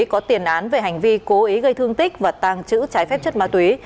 có tiền án về hành vi cố ý gây thương tích và tàng trữ trái phép chất ma túy